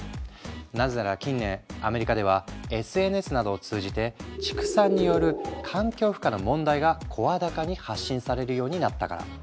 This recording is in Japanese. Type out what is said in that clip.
なぜなら近年アメリカではＳＮＳなどを通じて畜産による環境負荷の問題が声高に発信されるようになったから。